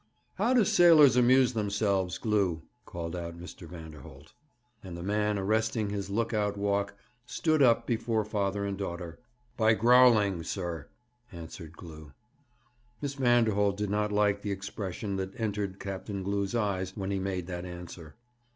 'How do sailors amuse themselves, Glew?' called Mr. Vanderholt. And the man, arresting his look out walk, stood up before father and daughter. 'By growling, sir,' answered Glew. Miss Vanderholt did not like the expression that entered Captain Glew's eyes when he made that answer.